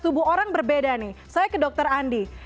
tubuh orang berbeda nih saya ke dokter andi